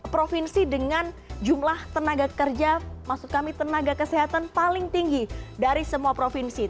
provinsi dengan jumlah tenaga kerja maksud kami tenaga kesehatan paling tinggi dari semua provinsi